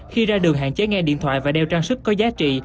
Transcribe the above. khi ra đường hạn chế nghe điện thoại và đeo trang sức có giá trị